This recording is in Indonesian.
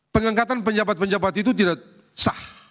pengangkatan penjabat penjabat itu tidak sah